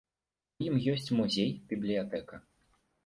У ім ёсць музей, бібліятэка.